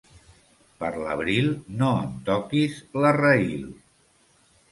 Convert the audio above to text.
Per l'abril, no em toquis la raïl.